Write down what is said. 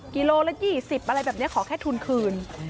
กิโลละ๒๐อะไรแบบนี้ขอแค่ทุนคืน